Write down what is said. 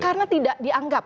karena tidak dianggap